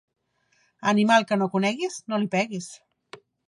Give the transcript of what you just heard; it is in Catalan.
Animal que no coneguis, no li peguis.